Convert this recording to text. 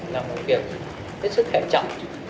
là một việc hết sức hẹn trọng